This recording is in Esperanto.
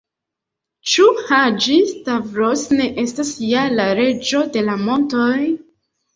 Ĉu Haĝi-Stavros ne estas ja la Reĝo de la montoj?